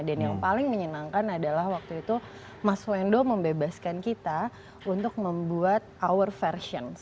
dan yang paling menyenangkan adalah waktu itu mas wendo membebaskan kita untuk membuat our version